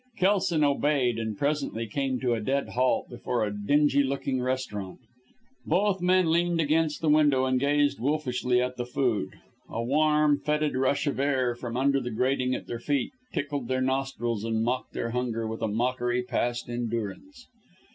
Kelson obeyed, and presently came to a dead halt before a dingy looking restaurant. Both men leaned against the window and gazed wolfishly at the food. A warm, foetid rush of air from under the grating at their feet tickled their nostrils and mocked their hunger with a mockery past endurance.